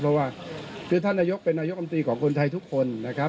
เพราะว่าคือท่านนายกเป็นนายกรรมตรีของคนไทยทุกคนนะครับ